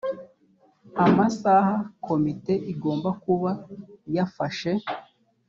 amasaha komite igomba kuba yafashe